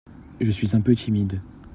Je suis un peu timide.